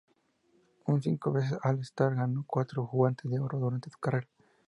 Un cinco veces All-Star, ganó cuatro Guantes de Oro durante su carrera.